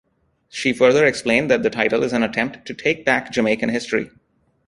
She further explained that the title is an attempt to "take back" Jamaican history.